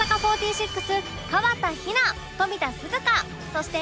そして